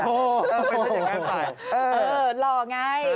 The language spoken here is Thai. ไปแล้วยังไงดาย